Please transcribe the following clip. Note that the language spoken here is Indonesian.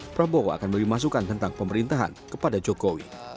prabowo akan memberi masukan tentang pemerintahan kepada jokowi